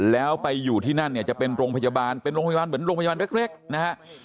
แล้วไปอยู่ที่นั่นเนี่ยจะเป็นโรงพยาบาลเป็นโรงพยาบาลเหมือนโรงพยาบาลเล็กนะฮะ